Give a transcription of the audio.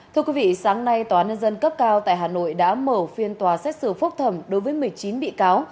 thưa quý vị sáng nay tòa nhân dân cấp cao tại hà nội đã mở phiên tòa xét xử phúc thẩm đối với một mươi chín bị cáo